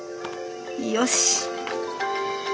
よし！